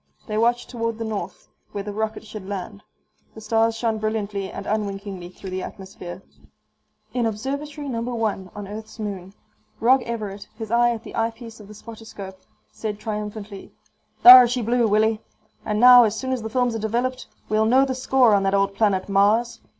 They watched toward the north, where the rocket should land. The stars shone brilliantly and unwinkingly through the atmosphere. In Observatory No. 1 on Earth's moon, Rog Everett, his eye at the eyepiece of the spotter scope, said triumphantly, "Thar she blew, Willie. And now, as soon as the films are developed, we'll know the score on that old planet Mars."